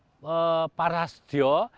naik ke paras diok